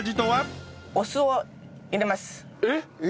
えっ？